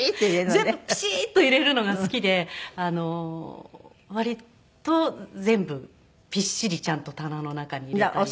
全部ピシッと入れるのが好きで割と全部ピッシリちゃんと棚の中に入れたり。